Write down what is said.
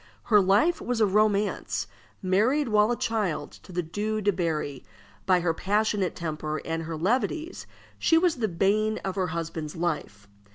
Her life was a romance. Married while a child to the Due de Berri, by her passionate temper and her levities she was the bane of her husband's life.